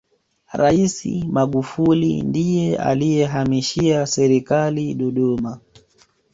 raisi magufuli ndiye aliyehamishia serikali dodoma